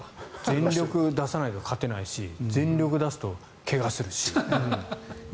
全力を出さないと勝てないし全力を出すと怪我するし。